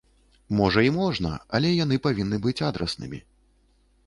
Можа і можна, але яны павінны быць адраснымі.